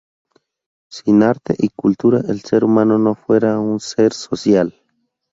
Sin arte y cultura el ser humano no fuera un ser social.